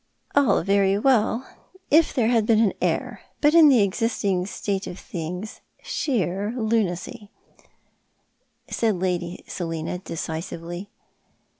271 "All very well, if there had been an heir, but in the existing state of things sheer lunacy," said Lady Selina decisively.